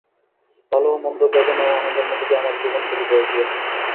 ভাল ও মন্দ, বেদনা ও আনন্দের মধ্য দিয়ে আমার জীবন-তরী বয়ে গিয়েছে।